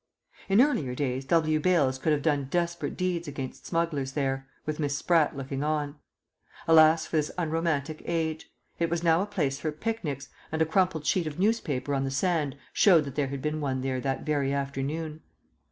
In earlier days W. Bales could have done desperate deeds against smugglers there, with Miss Spratt looking on. Alas for this unromantic age! It was now a place for picnics, and a crumpled sheet of newspaper on the sand showed that there had been one there that very afternoon.